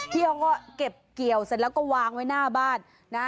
เขาก็เก็บเกี่ยวเสร็จแล้วก็วางไว้หน้าบ้านนะ